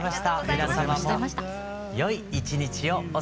皆様もよい一日をお過ごし下さい。